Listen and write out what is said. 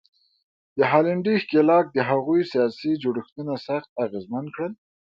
د هالنډي ښکېلاک د هغوی سیاسي جوړښتونه سخت اغېزمن کړل.